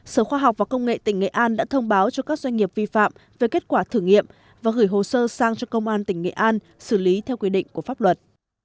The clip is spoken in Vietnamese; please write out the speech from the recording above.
sở khoa học và công nghệ tỉnh nghệ an đã thông báo cho các doanh nghiệp vi phạm về kết quả thử nghiệm và gửi hồ sơ sang cho công an tỉnh nghệ an xử lý theo quy định của pháp luật